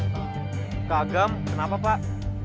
kak agam kenapa pak